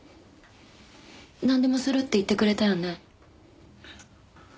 なんでもするって言ってくれたよね？